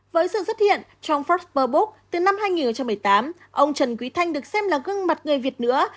với sự xuất hiện trong foxper book từ năm hai nghìn một mươi tám ông trần quý thanh được xem là gương mặt người việt nữa